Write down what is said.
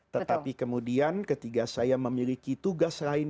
tetapi kemudian ketika saya memiliki tugas lain